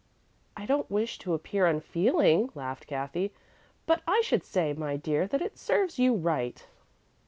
"I don't wish to appear unfeeling," laughed Cathy, "but I should say, my dear, that it serves you right."